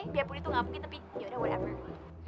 biarpun itu ga mungkin tapi yaudah whatever